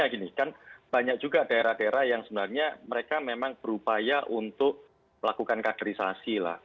tapi bahwa misalnya gini kan banyak juga daerah daerah yang sebenarnya mereka memang berupaya untuk melakukan karakterisasi lah